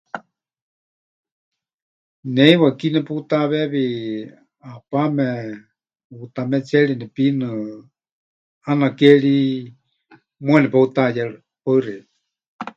Ne heiwa ki neputaweewi, ʼepaame, huutametserri nepinɨ, ʼaana ke ri muuwa nepeutayerɨ. Paɨ xeikɨ́a.